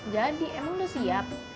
jadi emang udah siap